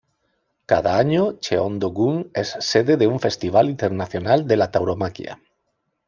Cada año Cheongdo-gun es sede de un festival internacional de la tauromaquia.